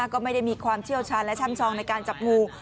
ก็ไม่ได้มีความเชี่ยวชาญและช่ำซองในการจับงู